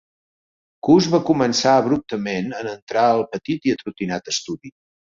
Cuss va començar abruptament, en entrar al petit i atrotinat estudi.